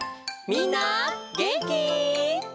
みんなげんき？